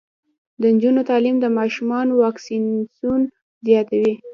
د نجونو تعلیم د ماشومانو واکسیناسیون زیاتوي.